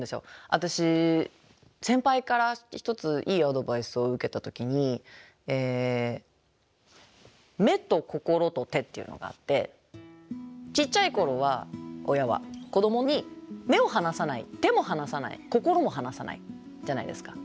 私先輩から一ついいアドバイスを受けた時に「目と心と手」っていうのがあってちっちゃい頃は親は子どもに目を離さない手も離さない心も離さないじゃないですか。